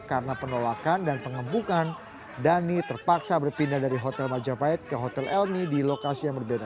karena penolakan dan pengembukan dhani terpaksa berpindah dari hotel majapahit ke hotel elmi di lokasi yang berbeda